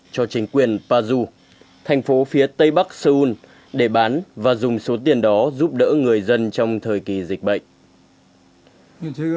cho chính quyền pazu thành phố phía tây bắc seoul để bán và dùng số tiền đó giúp đỡ người dân trong thời kỳ dịch bệnh